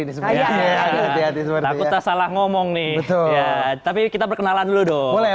ini saya hati hati seperti takut salah ngomong nih betul tapi kita perkenalan dulu dong boleh